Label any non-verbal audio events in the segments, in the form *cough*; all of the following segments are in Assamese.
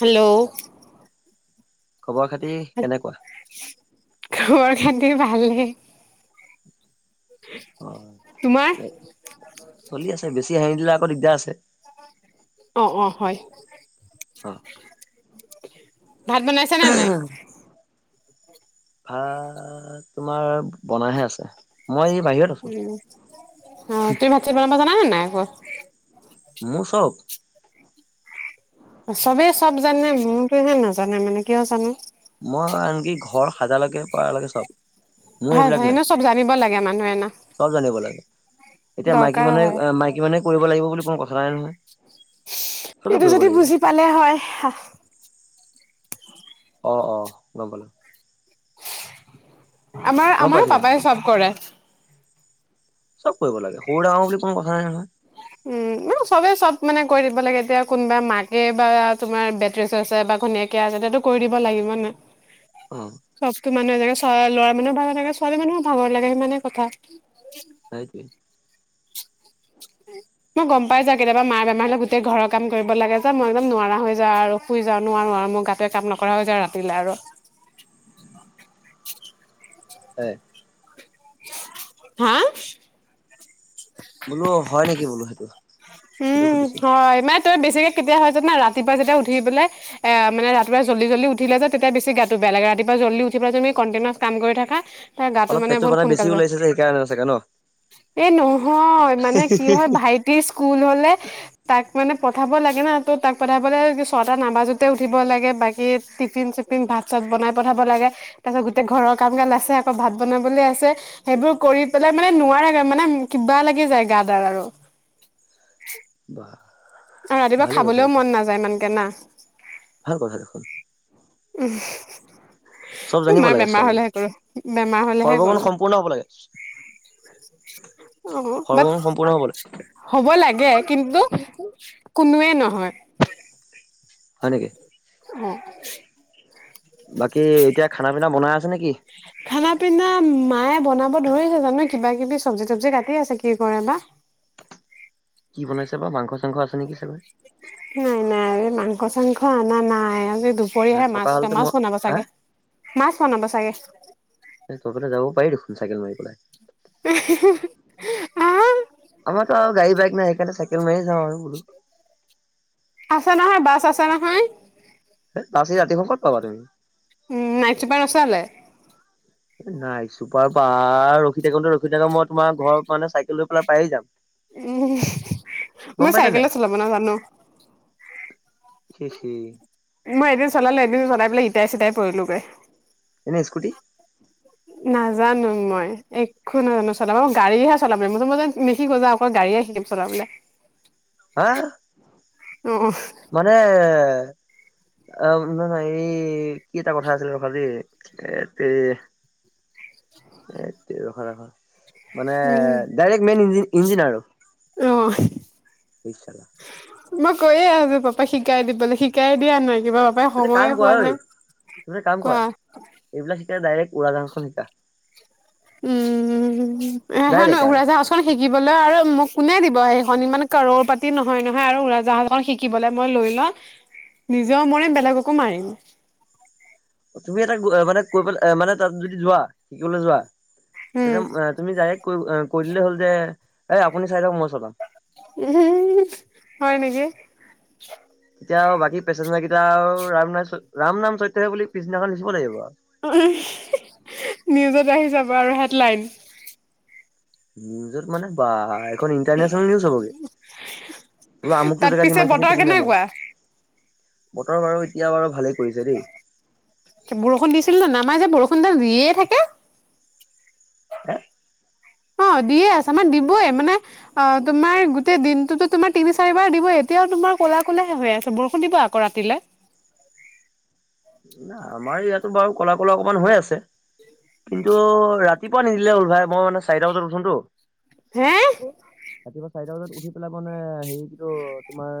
হেল্ল'। খবৰ খাতি কেনেকুৱা? খবৰ খাটি ভালে। অ' তোমাৰ চলি আছে, বেছি হাহি দিলে আকৌ দিগদাৰ আছে। অ', অ', হয়। অ' ভাত বনাইছা নে নাই? ভাত তোমাৰ বনাই হে আছে। মই এই বাহিৰত আছো। উম, অ', তুমি ভাত চাত বনাব জানা নে নাই? *unintelligible* মোৰ চব চবেই চব জানে, মোৰতো এহে নাজানে মানে কিয় জানো। মই আনকি ঘৰ সাজালৈকে পাৰালৈকে চব। মোৰ ভাল এইবিলাক ভাল নাই, এনে চব জানিব লাগে মানুহে না চব জানিব লাগে, এতিয়া মাইকী দৰকাৰ মানুহে, হয় মাইকী মানুহে কৰিব লাগিব বুলি কোনো কথা নাই নহয়, চবে এইটো কৰিব যদি লাগিব। বুজি পালে হয় অ', অ', গম পালোঁ। আমাৰ, গম আমাৰ পাইছো গম পাপাই চব কৰে। চব কৰিব লাগে, সৰু, ডাঙৰ বুলি কোনো কথা নাই নহয়। উম, চবে চব মানে কৰি দিব লাগে এতিয়া কোনোবা মাকে বা তোমাৰ বেড ৰেচত আছে বা ঘনীয়েকে আছে, এতিয়াতো কৰি দিব লাগিব নে অ' মানুহ *unintelligible* ল'ৰা মানুহৰ ভাগৰ থাকে, ছোৱালী মানুহৰো ভাগৰ লাগে সিমানে কথা সেইটোৱে মই গম পাই যাওঁ কেতিয়াবা মাৰ বেমাৰ হ'লে গোটেই ঘৰৰ কাম কৰিব লাগে যে, মই একদম নোৱাৰা হৈ যাওঁ আৰু শুই যাওঁ নোৱাৰো আৰু মোৰ গাটোৱে কাম নকৰা হৈ যায় ৰাতিলে আৰু। হয় হা বোলো হয়, নেকি বোলো সেইটো সেইটো উম, সুধিছো। হয় *unintelligible* ত' বেছিক কেতিয়া হয় জানা? ৰাতিপুৱা যেতিয়া উঠি পেলাই এ, মানে ৰাতিপুৱা জল্দি, জল্দি উঠিলে যে, তেতিয়া বেছি গাটো বেয়া লাগে ৰাতিপুৱা জল্দি উঠি পেলাই তুমি কটিনাৰ কাম কৰি থাকা তাৰ গাটো অলপ মানে পেটটো বহুত বেছি সোনকাল পায় ওলাইছে যে সেইকাৰণে চাগে ন? এই নহয়, মানে কি হয় ভাইটি কুল হ'লে তাক মানে পঠাব লাগে ন! ত' তাক পঠাবলে ছটা নাবাজোতে উঠিব লাগে বাকী টিফিন, চিফিন ভাত, চাত বনাই পঠাব লাগে তাৰ পাছত গোটেই ঘৰৰ কাম কাজ আছে, আকৌ ভাত বনাবলৈ আছে, সেইবোৰ কৰি পেলাই মানে নোৱাৰা মানে কিবা লাগি যায় গা দাৰ আৰু বা আৰু ৰাতিপুৱা খাবলৈও মন নাযায় ইমানকে না ভাল কথা দেখোন চব *unintelligible* জানিব মাৰ লাগে বেমাৰ ছোৱালী হলেহে কৰো, বেমাৰ হলেহে সৰ্বগুণ কৰো। সম্পূৰ্ণ হ'ব লাগে অ', বাট সৰ্বগুণ সম্পূৰ্ণ হ'ব লাগে হব লাগে কিন্তু কোনোৱেই নহয়। হয় নেকি? অ'। বাকী এতিয়া খানা *unintelligible* বনাই আছা নেকি? খানা পিনা মায়ে বনাব *unintelligible* কিবা কিবি চবজি তবজি কাটি আছে কি কৰে বা। কি বনাইছে বা, মাংস চাংস আছে নেকি চাগৈ? নাই নাই, মাংস চাংখ আনা নাই, আজি না দুপৰীয়াহে থকা মাছ, হ'লেতো মাছ মই বনাব হা চাগে, মাছ বনাব চাগে। তই ফালে যাব পাৰি দেখোন চাইকেল মাৰি পেলাই। *unintelligible* গাৰি, বাইক নাই, সেইকাৰণে চাইকেল মাৰি যাওঁ আৰু বোলো আছে নহয় বাছ আছে নহয়। বাছ এই ৰাতিখন ক'ত পাবা তুমি। উম, নাইট ছুপাৰ ন'ছলে। নাই ছুপাৰ পাৰ ৰখি থাকোঁতে ৰখি থাকোঁতে মই তোমাৰ ঘৰত মানে চাইকেল লৈ পেলাই পায়ে যাম। উম, গম মই চাইকেল চলাব নাজানো। চি, চি। মই এদিন চলালোঁ, এদিন চলাই পেলাই ইটাই চিটাই পৰিলোগে। এনেই স্কুটি? নাজানো মই, একো নাজানো চলাব মই গাড়ীহে চলাব মই যে নিশিকো যা আকৌ গাড়ীয়ে শিকিম চলাবলে। হা? অঁ। মানে, আ নহয় এই কি এটা কথা আছিলে ৰ'বা দেই, এতেৰি এ তেৰি ৰখা-ৰখা। মানে উম ডাইৰেক্ট মেইন ইঞ্জ ইঞ্জিন আৰু। অ। *unintelligible* মই কৈয়ে আছো পাপাক শিকাই দিবলৈ শিকাই দিয়া নাই। কিবা পাপাই সময়ে কাম কৰা পোৱা ঐ নাই তুমি কাম কোৱা কৰা, এইবিলাক শিকাই ডাইৰেক্ট উৰা জাহাজ খন শিকা। উম, সেইখন ডাইৰেক্ট আৰু উৰাজাহাজ খন শিকিবলৈ আৰু মোক কোনে দিব সেইখন ইমান কৰ'ৰ পাতি নহয় নহয় আৰু উৰাজাহাজখন শিকিবলে মই লৈ লওঁ নিজেও মৰিম বেলেগকো মাৰিম। তুমি এটা মানে কৈ পেলাই মানে তাত যদি যোৱা, শিকিবলৈ যোৱা উম তেতিয়া তুমি ডাইৰেক্ট কৈ-কৈ দিলেই হ'ল যে এই আপুনি চাই লওক ম উম, হয় নেকি। *inaudible* এতিয়া আৰু বাকী পেচেঞ্জাৰ কেইটা আৰু ৰাম নাম চৈ ৰাম নাম চৈত্ৰ হে বুলি পিছদিনাখন লিখিব লাগিব আৰু। *unintelligible* নিউজত আহি যাব আৰু হেডলাইন। নিউজত মানে বা *unintelligible* ইণ্টাৰনেচনেল নিউজ হ'ব গে, বোলে আমুটো তাত জেগাত পিছে ইমানখিনি বতৰ পেছেঞ্জাৰ মৰিল। কেনেকুৱা বতৰ বাৰু এতিয়া বাৰু ভালে বৰষুণ দিছিল নে নাই আমাৰ যে বৰষুণ দিয়ে থাকে। *inaudible* অঁ দিয়ে আছে আমাৰ দিবই মানে আ তোমাৰ গোটেই দিনটোতো তোমাৰ তিনি চাৰিবাৰ দিবই এতিয়াও তোমাৰ ক'লা ক'লায়ে হৈ আছে বৰষুণ দিব আকৌ ৰাতিলে। আমাৰ ইয়াতো বাৰু ক'লা- ক'লা অকমান হৈ আছে। *inaudible* কিন্তু ৰাতিপুৱা নিদিলে হ'ল ভাই, মই মানে চাৰিটা বজাত উঠো টো। হে *inaudible* চাৰিটা বজাত উঠি পেলাই মানে হেৰি কি টো তোমাৰ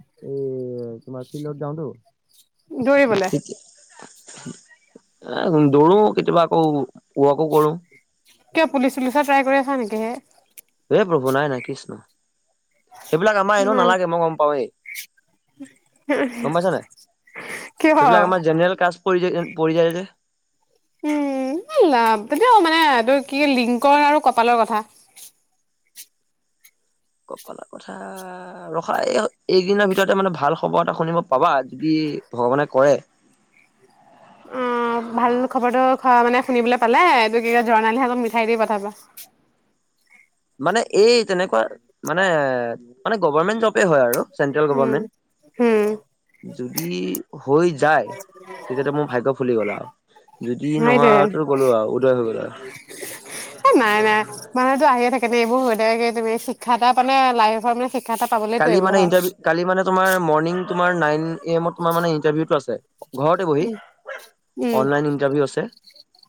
এই তোমাৰ ফিল্ডত যাওঁতো। দৌৰিবলে। এ দৌৰো কেতিয়াবা আকৌ ওৱাকো কৰো। কিয় পুলিচ চুলিচৰ ট্ৰাই কৰি আছা নেকি হে। হে প্ৰভু নাই- নাই কৃষ্ণ। সেইবিলাক আমাৰ এনেও নালাগে মই গম পাওৱেই, গম পাইচা নে নাই, কিয় সেইবিলাক আমাৰ জেনেৰেল কাচ *unintelligible* পৰি যায় যে। উম লাভ তেতিয়াও মানে এইটো কি লিংকৰ আৰু কপালৰ কথা। কপালৰ কথা ৰখা, এই এইকিদিনৰ ভিতৰতে মানে ভাল খবৰ এটা শুনিব পাবা যদি ভগৱানে কৰে। অঁ ভাল খবৰটো খোৱা মানে শুনিবলৈ পালে, এইটো কি কয় জৰ্ণালীৰ হাতত মিঠাই দি পঠাবা। মানে এই তেনেকুৱা মানে-মানে গভৰমেন্ট জবেই হয় আৰু। Central um um government. যদি হৈ যায়, তেতিয়াটো মোৰ ভাগ্য ফুলি গ'ল আৰু। যদি নত নহয়তো গ'লো আৰু উদয় হৈ গ'ল আৰু এ নাই নাই মানুহটো আহিয়ে থাকে। সনে এইবোৰ হৈ থাকে কি তুমি শিক্ষ এটা মানে লাইফৰ মানে, এটা পাবলেতো কালি এইবোৰ মানে হয় ত ম তাৰ ন এমত তোৰ নে ইণ্টাৰভিউটো আছে। ঘৰতে বহি উম, অনলাইন ইণ্টাৰভিউ আছে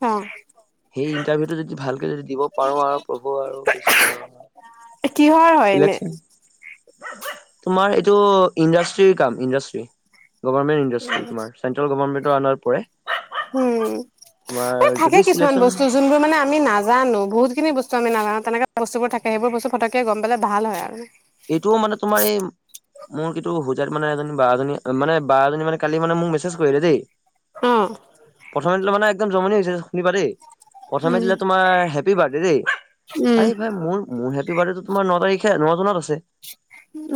অ', সেই ইণ্টাৰভিউটো যদি, ভাল যদি দিব পাৰো আৰু প্ৰভু আৰু কি কিহৰ হয় এনে? চিলেকন তোমাৰ এইটো ইণ্ডাষ্ট্ৰিৰ কাম ইণ্ডাষ্ট্ৰি গভৰ্মেট ইাষ্ট্ৰ তোাৰেট্ৰ গভৰ্মেট *inaudible* উম মানে থাকে যদি কিছুমান চিলেকচন বস্তু যোনবোৰ মানে আমি নাজানো বহুতখিনি বস্তু আমি নাজানো তেনেকে বস্তুবোৰ থাকে সেইবোৰ ব্তু ফটকৈ গম পাল ভাল হয় আৰু এইটোও মানে তোমাৰ এই, মোৰ সেইটো হোজাই মানে এজনী বাৰজনী মানে, ব এজনী মানে কালি মানে মোক মেছেজ কৰি দেই অ', প্ৰথম মানে একদম জমনি হৈছে শুনিবা দেই প্ৰথমে উম, দিলে তোমাৰ হেপী বাৰ্থডে দেই উম, আৰে ভাই মোৰ মোৰ হেপী বাৰডেটো তোমাৰ ন তাৰিখে ন জুনত আছে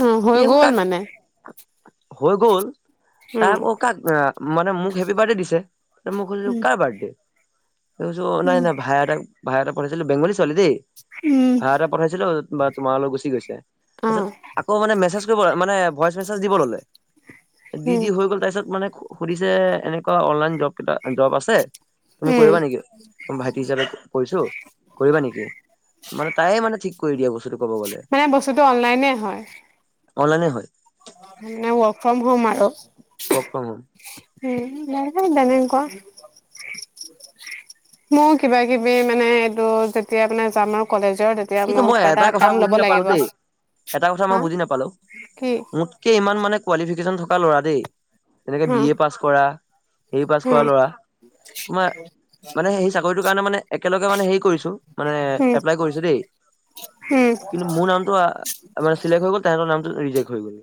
উ হৈ ই আকৌ গল কাক মানে *inaudible* হৈ গ'ল তাই উম। আকৌ কাক মানে মোক হেপী বাৰ্থডে দিছে মই খুজিছো উম। কাৰ বাৰ্থডে এই নাই উম, নাই ভাইক ভাই *unintelligible* পঢ়়িছিল বেঙগলী ছোৱালী দে, উম, ভা এটা পঠাইছিলো বা তোমাৰ লগত গুচি গৈছে। তাৰপিছত অ', আকৌ মানে মেছেজ কৰিব মানে ভইচ মেচজ দিব ললে দি উম, দি হৈ গ'ল তাৰপিছত মানে সুধিছে এনেকুৱা অনলাইন জব কেইটা জব আছে তুমি উম, কৰিবা নেকি তোমাৰ ভাইটি হিচাপে কৰিছো *inaudible* কৰিবা নেকি মানে তায়ে মানে থিক কৰি দিয়া বস্তুটো ক'ব গ'লে *inaudible* টো অনলাইনে হয়। অনলাইনে হয়। এনে ৱ'ৰ্ক ফ্ৰ'ম হ'ম আৰু। ৱ'ৰ্ক ফ্ৰ'ম হ'ম। উম, *unintelligible* বেলেংকুৱা। মোৰ কিবা-কিবি মানে এইটো যেতিয়া মানে যাম আৰু কলেজ কিন্তু মই এটা কথা বুজি নাপালোঁ দেই এটা কথা হা মই বুজি নাপালোঁ কি? মোতকে ইমান মানে কোৱালিফিকেশ্যন থকা ল'ৰা দেই। এনেকে বি উম, এ পাছ কৰা, এ পাছ কৰা উম, ল'ৰা তোমাৰ মানে সেই চাকৰিটোৰ কাৰণে মানে একেলগ আ, মানে হেৰি কৰিছোঁ। মানে উম, এপ্লাই কৰিছোঁ দেই। উম, কিন্তু মোৰ নামটো আ আমাৰ চিলেক্ট হৈ গ'ল *unintelligible* নামটো ৰিজেক্ট হৈ গ'ল।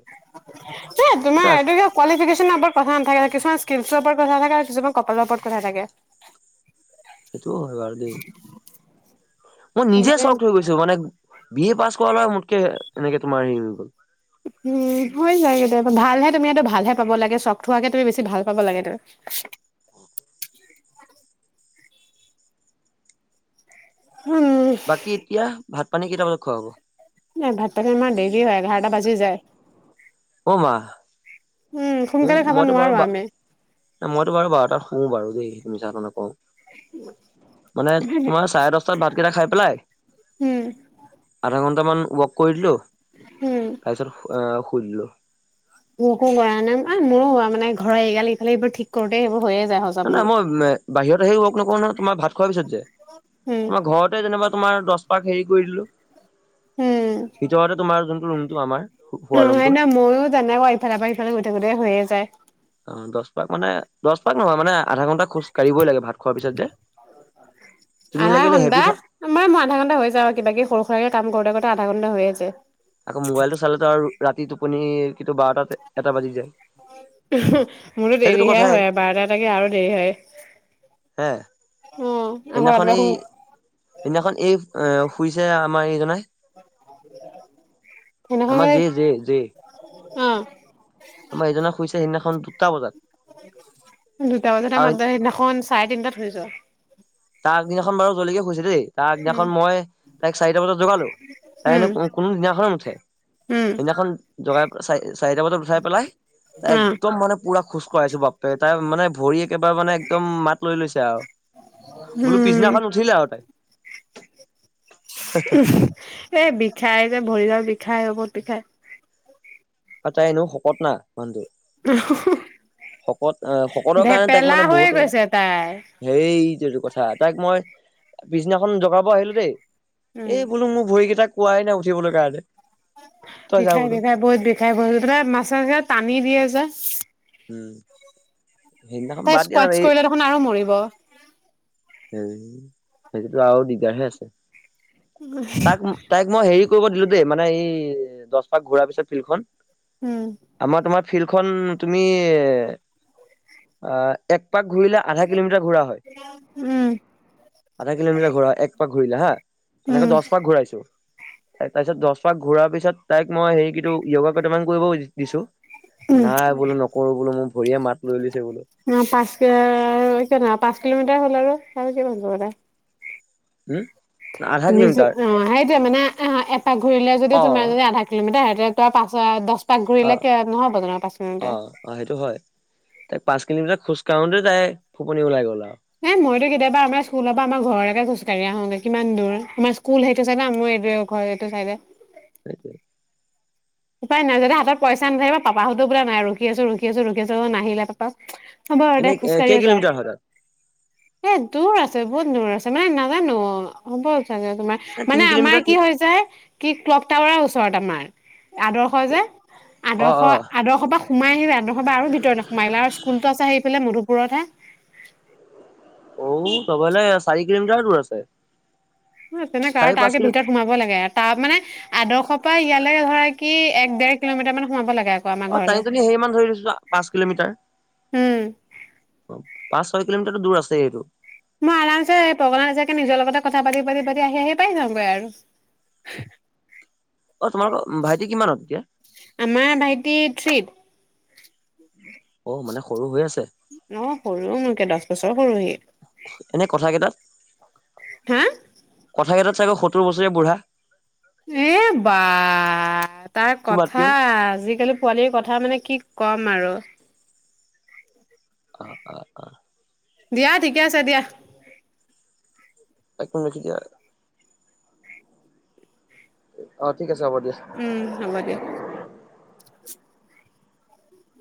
সেইটো *unintelligible* কোৱালিফিকেচনৰ ওপৰত কথা নাথাকে, কিছুমান *unintelligible* ওপৰত কথা থাকে, আৰু কিছুমান কপালৰ ওপৰত কথা থাকে। সেইটোও হয় বাৰু দেই। মই নিজে সেইটোৱে চকদ হৈ গৈছো, মানে বি এ পাছ কৰা লৰা মোতকে এনেকে তোমাৰ হেৰি হৈ গ'ল। উ, হৈ যায় কেতিয়াবা ভালহে তুমি এইটো ভালহে পাব লাগে, স্বক হোৱাকে তুমি বেছি ভাল পাব লাগে এইটো। উম, বাকী এতিয়া ভাত পানী কেইটা বজাত খোৱা হ'ব? নাই ভাত-পানী আমাৰ দেৰি হয়, এঘাৰটা বাজি যায়। অ', মা। উ, সোনকালে খাব মইতো বাৰু নোৱাৰো আমি। মইতো বাৰু বাৰটাত শোও বাৰু দেই, সেইটো মিছা কথা নকওঁ। মানে তোমাৰ চাৰে দচটাত ভাতকেইটা খাই পেলাই, উম, আধা ঘন মান ৱক কৰিদিলো। উম। তাইছত অ', শু শুই দিলোঁ। মোকো কৰা নাই আৰু মোৰো হোৱা মানে, ঘৰৰ এইগাল ইফালে সিফালে ঠিক কৰোতে সেইবোৰ হৈয়ে যায় হজম না, না, মোৰ। মই বাহিৰত আহি ৱক নকৰো নহয়, তোমাৰ ভাত খোৱাৰ পিছত যে, উম, তোমাৰ ঘৰতে যেনিবা তোমাৰ দছ পাক হেৰি কৰি দিলো। ভিতৰতে তোমাৰ জোন ৰুমটো আমাৰ। শোৱা অ', হয় ৰুমটো ন, ময়ো জানদা ঘৰত ইফালৰ পৰা সিফালে ফালে গৈ থাকোতে হৈয়ে যায়। অ', দচ পাক মানে, দচ পাক নহয় মানে আধা ঘণ্টা খোচ কাঢ়িবই লাগে। ভাত খোৱাৰ পিছত যে তুমি আধা লাগিলে হেভি ঘন্টা, খা মই মোৰ আধা ঘন্টা হৈ যায় আৰু কিবাকিবি সৰু সুৰাকৈ কাম কৰোঁতে কৰোঁতে। আধা ঘণ্টা হৈ আছে। আকৌ মোবাইল টো চালেতো আৰু ৰাতি টোপনি কিন্তু বাৰটাত এটা বাজি যায়। মোৰো সেইটোতো দেৰিহে কথাই হয় আৰু বাৰটা এটাকে আৰু দেৰি হয়। হে অ' আকৌ সেইদিনাখন ৰাতিপুৱা এই, শুই সেইদিনাখন এই শুইছে আত আমাৰ এগনাই সেইদিনাখন আমাৰ যে, যে, যে। অ'। আমাৰ এইজনা শুইছে সেইদিনাখন দুটা বজাত। দুটা দুটা আৰু মাত্ৰ সেইদিনাখন চাৰে তিনটাত শুইছো। তাৰ আগদিনাখন বাৰু জলিকে শুইছে দেই। তাৰ উম, আগদিনাখন মই তাইক চাৰিটা বজাত জগালো, তাই উম, হেনু কোনো কোনো দিনাখন নুঠে। উম, সেইদিনাখন জগাই চাই-চাৰিটা বজাত উঠাই পেলাই তাই অ', একদম মানে পুৰা খোচ কৰাইছো বাপ্পেকে তাই মানে ভৰিত এইবাৰ মানে একদম মাত লৈ লৈছে আৰু। বোলো উম পিছদিনাখন উঠিলে আৰু তাই এ বিষা- তাই যে ভৰি হাত বিষাই বহুত বিষাই আৰু তাই এনেও শকত ন মানুহটো শকত অ শকতৰ কাৰণে তাইক ভেপেলা মানে হৈ বহুতো গৈছে তাই। হেই এইবোৰ কথা তাইক মই পিছদিনাখন জগাব আহিলো দেই উম, এই বোলো মোৰ ভৰি কেইটা কোৱাই নাই উ- উঠিবলে কাৰণে তই যা বিষাই বোলো বিষাই বহুত বিষাই বহুত এ মাচাজে টানি দিয়ে যে উম সেইদিনাখন তাই বাদ দিয়া না স্কোৱাচ এই কৰিলে দেখোন আৰু মৰিব *unintelligible* হেই সেইটো আৰু দিগদাৰহে আছে তাক তাইক মই হেৰি কৰিব দিলো দেই মানে এই দছ পাক ঘূৰাৰ পিছত ফিল্ডখন উম আমাৰ তোমাৰ ফিল্ডখন তুমি আ এক পাক ঘুৰিলে আধা কিলোমিটাৰ ঘুৰা হয় উম, আধা কিলোমিটাৰ ঘুৰা এক পাক ঘুৰিলে হা তেনেকে উম, দহ পাক ঘূৰাইছো তাইক তাৰ পিছত দহ পাক ঘূৰাৰ পিছত তাইক মই হেৰি *unintelligible* য়োগা কেইটামান কৰিব। দিছো উম। নাই বোলো নকৰো বোলো মোৰ ভৰিয়ে মাত লৈ লৈছে বোলো। অ পাঁচ কিয় ন পাঁচ কিলোমিটাৰ হল আৰু *unintelligible* হম আধা তুমি যে কিলোমিটাৰ অ' সেইটোৱে মানে আহ এপাক ঘূৰিলে যদি অ তোমাৰ যদি আধা কিলোমিটাৰ *unintelligible* অ' নহ'ব জানো পাঁচ কিলোমিটাৰ অ' অ' সেইটো হয় তাইক পাঁচ কিলোমিটাৰ খোজ কাঢ়োতে তাই ফুপনি ওলাই গ'ল আৰু হে মইতো কেতিয়াবা আমাৰ স্কুলৰ পৰা আমাৰ ঘৰলৈকে খোজ কাঢ়ি আহোগৈ কিমান দূৰ আমাৰ স্কুল সেইটো চাইদে *unintelligible* ঘৰ এইটো চাইদে সেইটোৱে, উপায় নাই যদি হাতত পইচা নাথাকিব পাপাহঁতো বোলে নাই ৰখি আছো ৰখি আছো ৰখি আছো নাহিলে পাপা হ'ব আৰু দে, এনেই খোজ কেই কাঢ়িয়ে যাও। কিলোমিটাৰ হয় তাত এ দূৰ আছে, বহুত দূৰ আছে, মানে নাজানো হ'ব *unintelligible* তোমাৰ, এ মানে তিনি আমাৰ কিলোমিটাৰ কি হৈছে, কি ক্লক টাৱাৰ *unintelligible* আমাৰ। আদৰ্শ যে, অ অ আদৰ্শ-আদৰ্শ পৰা সোমাই আহি আদৰ্শপা আৰু ভিতৰতে সোমাই আহিলে আৰু স্কুলতো আছে সেইফালে মধু *unintelligible* অও, তবলে চাৰি কিলোমিটাৰ দূৰ আছে। অ', তেনেকুৱা আৰু চাৰি পাঁচ তাৰুকে কিলো ভিতৰত সোমাব লাগে, তাৰ মানে আদৰ্শৰ পৰা ইয়ালৈ ধৰা কি দেৰ কিলোমিটাৰ মান সোমাব লাগে। আকৌ আমাৰ অ', ঘৰলে টানি টানি সেইমান ধৰি লৈছো চোৱা, পাঁচ কিলোমিটাৰ। উম অ', পাঁচ ছয় কিলোমিট *unintelligible* দূৰ আছে এইটো। মই আৰামছে পগলা নিচিনাকে নিজৰ লগতে কথা পাতি পাতি পাতি, আহি আহি পাই যাওঁগৈ আৰু। অ তোমালোকৰ ভাইটি কিমানত এতিয়া আমাৰ ভাইটি থ্ৰীত। অ', মানে সৰু হৈ আছে। অ', সৰু মোৰকে দচ বছৰ সৰু হি, এনে কথা কেইটাত হা। কথাকেইটাত চাগে সত্তৰ বছৰীয়া বুঢ়া। এ বা, তাৰ কথা, তোমাতকেও আজিকালি পোৱালিৰ কথা মানে কি কম আৰু অ' অ' অ' দিয়া ঠিকে আছে দিয়া। নাই, অ' ঠিক আছে হ'ব দিয়া। উম হব দিয়া।